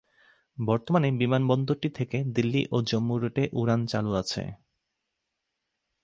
বর্তমানে বিমান বন্দরটি থেকে দিল্লি ও জম্মু রুটে উড়ান চালু আছে।